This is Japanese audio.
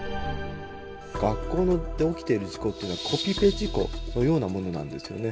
学校で起きている事故っていうのはコピペ事故のようなものなんですよね。